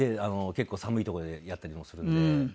結構寒い所でやったりもするので。